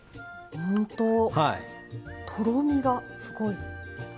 本当とろみがすごい。